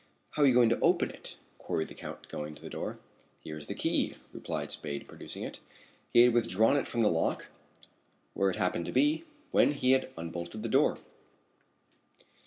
"How are you going to open it?" queried the Count, going to the door. "Here is the key," replied Spade, producing it. He had withdrawn it from the lock, where it happened to be, when he had unbolted the door.